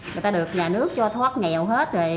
người ta được nhà nước cho thoát nghèo hết rồi